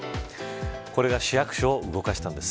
これが市役所を動かしたんです。